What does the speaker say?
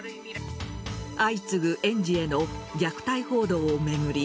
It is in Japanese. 相次ぐ園児への虐待報道を巡り